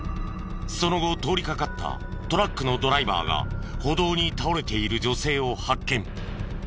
その後通りかかったトラックのドライバーが歩道に倒れている女性を発見。